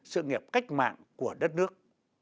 sự nghiệp cách mạng của đất nước